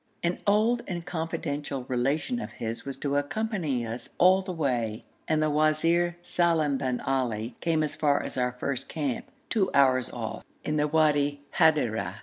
An old and confidential relation of his was to accompany us all the way, and the Wazir Salim bin Ali came as far as our first camp, two hours off, in the Wadi Hadira.